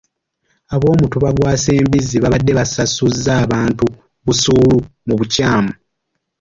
Ab'omutuba gwa Ssembizzi babadde basasuza abantu busuulu mu bukyamu.